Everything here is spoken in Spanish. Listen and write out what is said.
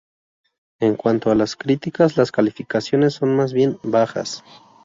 En cuanto a las críticas, las calificaciones son más bien bajas.